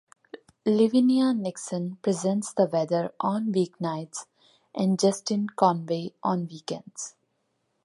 Livinia Nixon presents the weather on weeknights and Justine Conway on weekends.